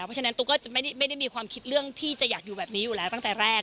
เพราะฉะนั้นตุ๊กก็จะไม่ได้มีความคิดเรื่องที่จะอยากอยู่แบบนี้อยู่แล้วตั้งแต่แรก